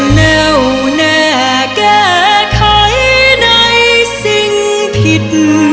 จะแนวแน่แก้ไขในสิ่งผิด